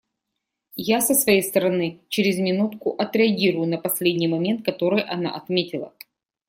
Я, со своей стороны, через минутку отреагирую на последний момент, который она отметила.